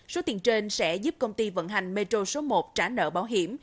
số tiền trên sẽ giúp công ty vận hành metro số một trả nợ bảo hiểm